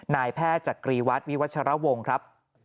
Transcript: นายแพทย์จักรีวัฒน์วิวัชรวงครับ